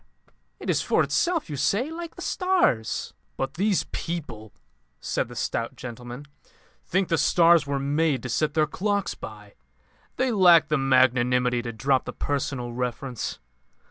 'It is for itself,' you say. Like the stars." "But these people," said the stout gentleman, "think the stars were made to set their clocks by. They lack the magnanimity to drop the personal reference.